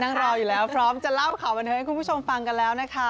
รออยู่แล้วพร้อมจะเล่าข่าวบันเทิงให้คุณผู้ชมฟังกันแล้วนะคะ